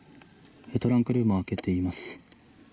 トランクルームを開けています。